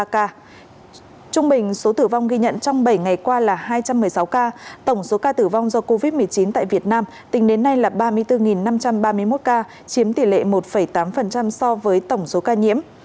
trung bình số tử vong ghi nhận trong bảy ngày qua là hai trăm một mươi sáu ca tổng số ca tử vong do covid một mươi chín tại việt nam tính đến nay là ba mươi bốn năm trăm ba mươi một ca chiếm tỷ lệ một tám so với tổng số ca nhiễm